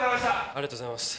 ありがとうございます。